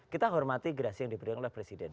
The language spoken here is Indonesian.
kita hormati gerasi yang diberikan oleh presiden